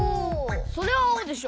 それはあおでしょ。